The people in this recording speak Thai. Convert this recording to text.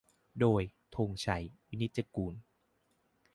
โดย ธงชัย วินิจจะกูล